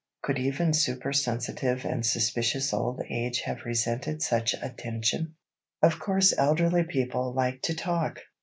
Could even supersensitive and suspicious Old Age have resented such attention? Of course elderly people like to talk.